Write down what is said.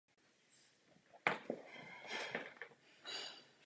Otázka státního vlastnictví musí být vyřešena.